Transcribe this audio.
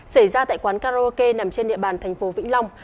xảy ra tại quán karaoke nằm trên địa bàn thành phố vĩnh long